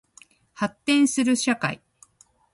発展する社会